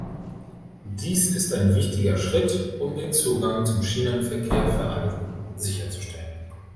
Dies ist ein wichtiger Schritt, um den Zugang zum Schienenverkehr für alle sicherzustellen.